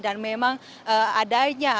dan memang adanya